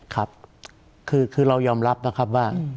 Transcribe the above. ครับคือเรายอมรับนะครับว่า